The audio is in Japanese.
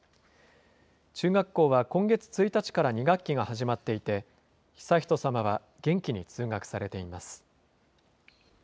中学校は今月１日から２学期が始まっていて、悠仁さまは元気に通学されています。